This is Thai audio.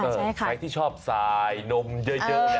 ใช่ไหมค่ะใครที่ชอบทรายนมเยอะ